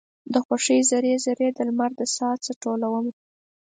د خوښۍ ذرې، ذرې د لمر د ساه څه ټولومه